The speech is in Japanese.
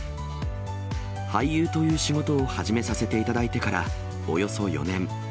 俳優という仕事を始めさせていただいてからおよそ４年。